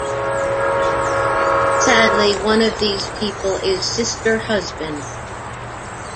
Sadly, one of these people is Sister Husband.